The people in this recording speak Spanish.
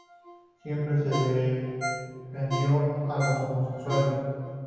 Siempre he defendido a los homosexuales.